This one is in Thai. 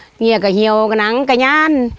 เงียกะเยี้ยวกะนังกะย่าน